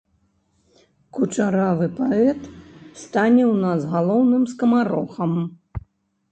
Кучаравы паэт стане ў нас галоўным скамарохам.